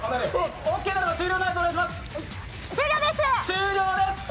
終了です。